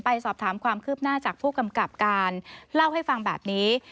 สอบถามความคืบหน้าจากผู้กำกับการเล่าให้ฟังแบบนี้